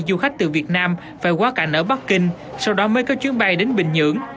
doanh nghiệp việt nam phải qua cảnh ở bắc kinh sau đó mới có chuyến bay đến bình nhưỡng